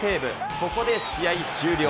ここで試合終了。